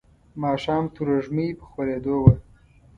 ماښام تروږمۍ په خورېدو وه.